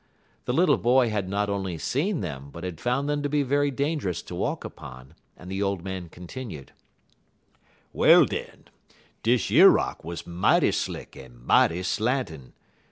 The little boy had not only seen them, but had found them to be very dangerous to walk upon, and the old man continued: "Well, den, dish yer rock wuz mighty slick en mighty slantin'.